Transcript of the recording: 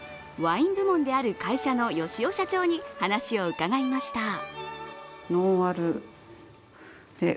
ワイン部門である会社の吉雄社長に話を伺いました。